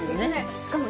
しかも。